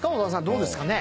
どうですかね？